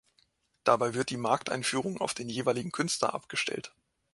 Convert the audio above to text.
Dabei wird die Markteinführung auf den jeweiligen Künstler abgestellt.